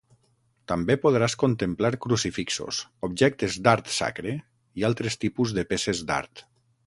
També podràs contemplar crucifixos, objectes d’art sacre i altres tipus de peces d’art.